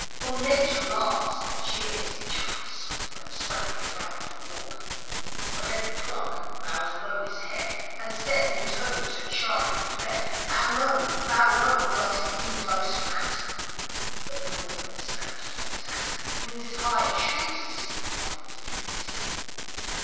All nature laughs and jeers and chaffs When the Swank goes out to walk; But every Glug bows low his head, And says in tones surcharged with dread, "Bow low, bow low, Glugs lean, Glugs fat!" But the North wind snatches off his hat, And flings it high, and shrieks to see His ruffled dignity.